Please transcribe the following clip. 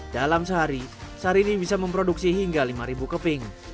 dalam sehari sehari ini bisa memproduksi hingga lima keping